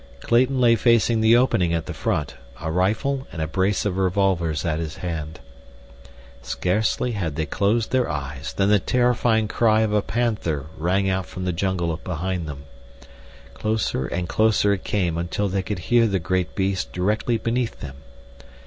Clayton lay facing the opening at the front, a rifle and a brace of revolvers at his hand. Scarcely had they closed their eyes than the terrifying cry of a panther rang out from the jungle behind them. Closer and closer it came until they could hear the great beast directly beneath them.